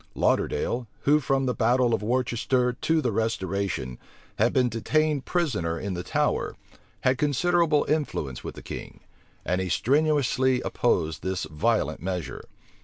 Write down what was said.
Lauderdale, who, from the battle of Worcester to the restoration, had been detained prisoner in the Tower, had considerable influence with the king; and he strenuously opposed this violent measure.